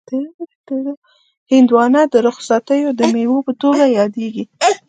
هندوانه د رخصتیو د مېوې په توګه یادیږي.